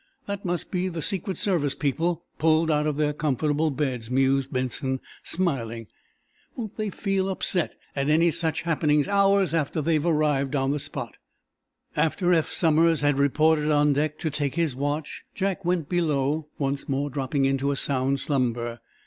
"That must be the Secret Service people, pulled out of their comfortable beds," mused Benson, smiling. "Won't they feel upset at any such thing happening hours after they've arrived on the spot?" After Eph Somers had reported on deck to take his watch, Jack went below, once more dropping into sound slumber.